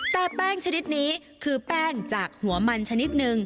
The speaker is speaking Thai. แต่แป้งชนิดนี้คือแป้งจากหัวมันชนิดหนึ่ง